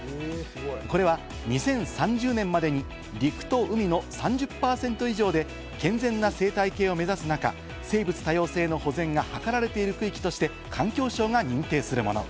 これは２０３０年までに、陸と海の３０％以上で健全な生態系を目指す中、生物多様性の保全が図られている地域として環境省が認定するもの。